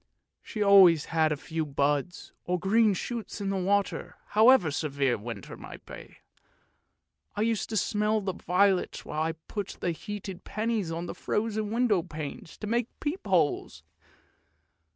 She always had a few buds, or green shoots in water, however severe the winter might be. I used to smell the violets while I put the heated pennies on the frozen window panes to make peep holes.